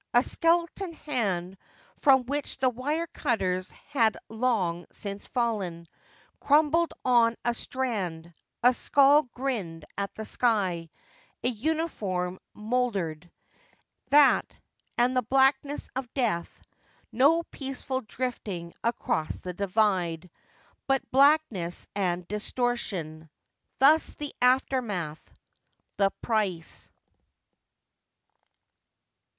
A skeleton hand from which the wire cutters had long since fallen, crumbled on a strand, a skull grinned at the sky, a uniform mouldered, That, and the blackness of Death. No peaceful drifting across the Divide, but black ness and distortion. Thus the aftermath : the price.